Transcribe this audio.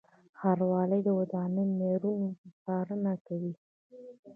ښاروالۍ د ودانیو د معیارونو څارنه کوي.